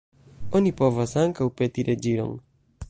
Oni povas ankaŭ peti reĝiron.